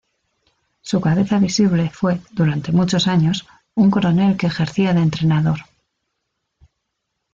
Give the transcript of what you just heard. Su cabeza visible fue, durante muchos años, un coronel que ejercía de entrenador.